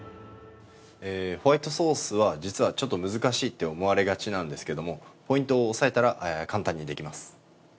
◆ホワイトソースは実はちょっと難しいって思われがちなんですけれども、ポイントを押さえたら簡単にできます。